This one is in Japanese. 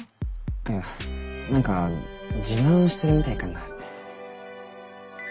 いや何か自慢してるみたいかなって。